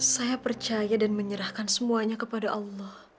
saya percaya dan menyerahkan semuanya kepada allah